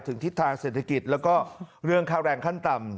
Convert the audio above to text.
ทิศทางเศรษฐกิจแล้วก็เรื่องค่าแรงขั้นต่ำ